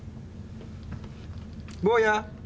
坊や。